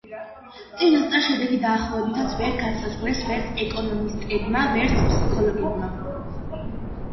წინასწარ შედეგი დაახლოებითაც ვერ განსაზღვრეს ვერც ეკონომისტებმა, ვერც ფსიქოლოგებმა.